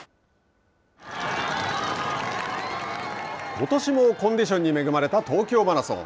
ことしもコンディションに恵まれた東京マラソン。